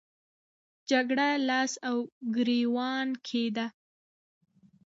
جګړه لاس او ګریوان کېده.